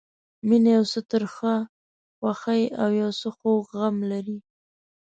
مینه یو څه ترخه خوښي او یو څه خوږ غم لري.